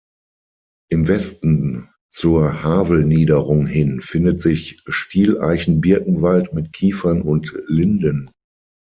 Im Westen zur Havelniederung hin findet sich Stieleichen-Birkenwald mit Kiefern und Linden.